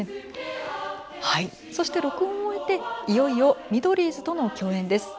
そして録音を終えていよいよミドリーズとの共演です。